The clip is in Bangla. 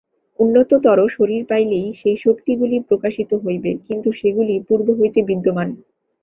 উন্নততর শরীর পাইলেই সেই শক্তিগুলি প্রকাশিত হইবে, কিন্তু সেগুলি পূর্ব হইতেই বিদ্যমান।